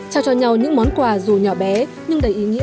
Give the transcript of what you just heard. trao cho nhau những món quà dù nhỏ bé nhưng đầy ý nghĩa và ngọt ngào